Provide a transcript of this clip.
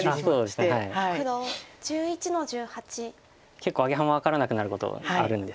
結構アゲハマ分からなくなることあるんですよね。